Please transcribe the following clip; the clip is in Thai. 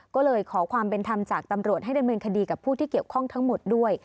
ก็เลยขอความเป็นธรรมจากตำรวจให้ดำเนินคดีกับผู้ที่เกี่ยวข้องทั้งหมดด้วย